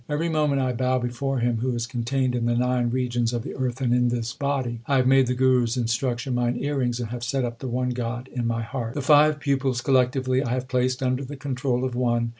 Every moment I bow before Him who is contained in the nine regions of the earth and in this body. 1 have made the Guru s instruction mine earrings, and have set up the one God in my heart. 154 THE SIKH RELIGION The five pupils collectively I have placed under the con trol of One.